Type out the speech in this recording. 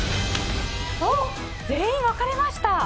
全員、分かれました。